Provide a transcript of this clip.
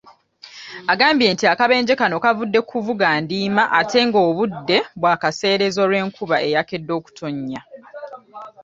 Agambye nti akabenje kano kavudde ku kuvuga ndiima ate ng'obudde bwakaseerezi olw'enkuba eyakedde okutonnya.